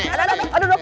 aduh aduh aduh